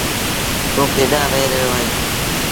توٚنٚ ڪيڏآنٚ وهي رهيو اهينٚ